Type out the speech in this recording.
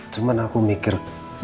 cuman aku mikir